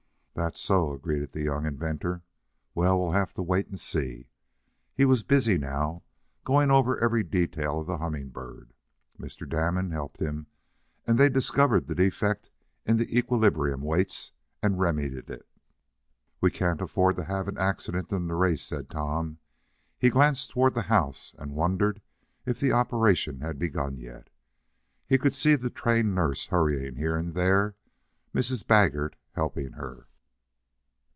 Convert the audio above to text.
"That's so," agreed the young inventor. "Well, we'll have to wait and see." He was busy now, going over every detail of the Humming Bird. Mr. Damon helped him, and they discovered the defect in the equilibrium weights, and remedied it. "We can't afford to have an accident in the race," said Tom. He glanced toward the house, and wondered if the operation had begun yet. He could see the trained nurse hurrying here and there, Mrs. Baggert helping her.